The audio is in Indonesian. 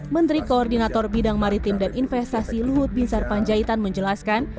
menteri koordinator bidang maritim dan investasi luhut binsar panjaitan menjelaskan